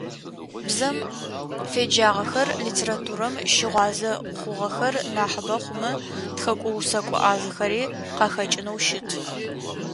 Бзэм феджагъэхэр, литературэм щыгъуазэ хъугъэхэр нахьыбэ хъумэ тхэкӏо-усэкӏо ӏазэхэри къахэкӀынэу щыт.